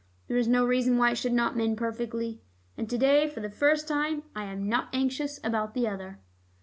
There is no reason why it should not mend perfectly. And to day for the first time I am not anxious about the other."